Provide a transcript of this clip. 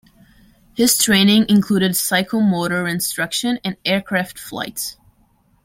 His training included psychomotor instruction and aircraft flights.